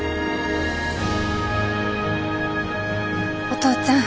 お父ちゃん